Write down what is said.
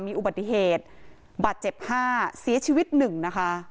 มีอุบัติเหตุบาดเจ็บ๕เสียชีวิต๑นะคะ